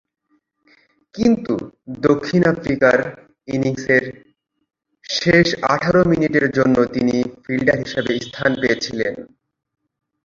কিন্তু দক্ষিণ আফ্রিকার ইনিংসের শেষের আঠারো মিনিটের জন্য তিনি ফিল্ডার হিসাবে স্থান পেয়েছিলেন।